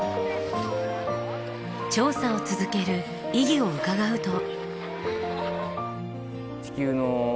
調査を続ける意義を伺うと。